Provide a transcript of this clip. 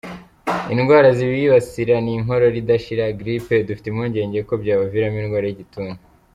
Indwara zibibasira ni inkorora idashira, giripe, dufite impungenge ko byabaviramo indwara y’igituntu”.